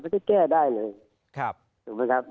ถูกเหมือนกัน